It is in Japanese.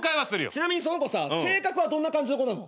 ちなみにその子さ性格はどんな感じの子なの？